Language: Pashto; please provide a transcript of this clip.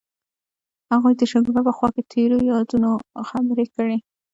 هغوی د شګوفه په خوا کې تیرو یادونو خبرې کړې.